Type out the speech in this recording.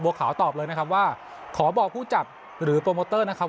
ขาวตอบเลยนะครับว่าขอบอกผู้จัดหรือโปรโมเตอร์นะครับ